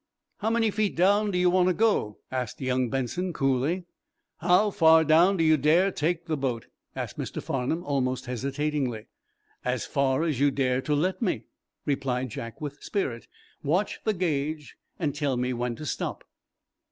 "How many feet down do you want to go?" asked young Benson, coolly. "How far down do you dare to take the boat?" asked Mr. Farnum, almost hesitatingly. "As far as you dare to let me," replied Jack, with spirit. "Watch the gauge, and tell me when to stop."